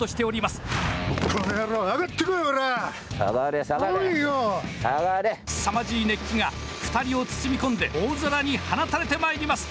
すさまじい熱気が２人を包み込んで、大空に放たれてまいります。